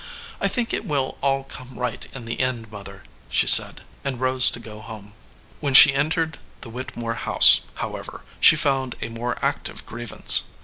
I think it will all come right in the end, mother," she said, and rose to go home. When she entered the Whittemore house, how ever, she found a more active grievance.